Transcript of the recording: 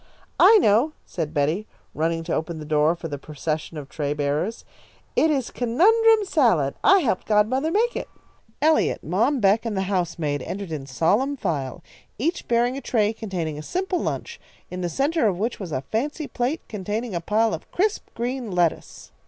"I know," said Betty, running to open the door for the procession of tray bearers. "It is conundrum salad. I helped godmother make it." Eliot, Mom Beck, and the housemaid entered in solemn file, each bearing a tray containing a simple lunch, in the centre of which was a fancy plate containing a pile of crisp green lettuce.